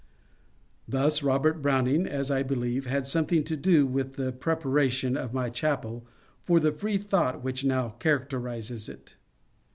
Thus Robert Brown ing, as I believe, had something to do with the preparation of my chapel for the freethought which now characterizes it.